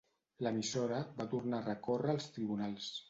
L'emissora va tornar a recórrer als tribunals.